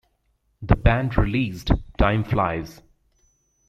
The band released Time Flies...